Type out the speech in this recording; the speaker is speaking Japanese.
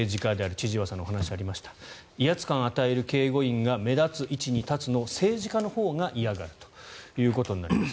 千々岩さんのお話にもありました威圧感を与える警護員が目立つ位置に立つのを政治家のほうが嫌がるということになります。